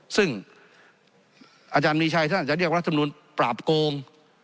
ซึ่งอาจารย์มีชัยท่านอาจจะเรียกรัฐมนุนปราบโกง